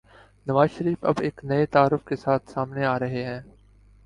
نوازشریف اب ایک نئے تعارف کے ساتھ سامنے آرہے ہیں۔